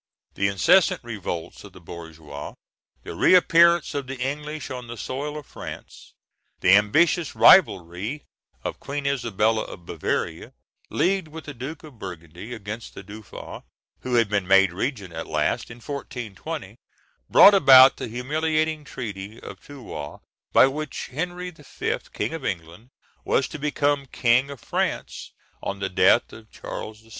The incessant revolts of the bourgeois, the reappearance of the English on the soil of France, the ambitious rivalry of Queen Isabel of Bavaria leagued with the Duke of Burgundy against the Dauphin, who had been made regent, at last, in 1420, brought about the humiliating treaty of Troyes, by which Henry V., king of England, was to become king of France on the death of Charles VI.